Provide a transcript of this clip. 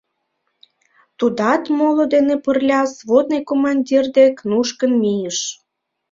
Тудат моло дене пырля взводный командир дек нушкын мийыш.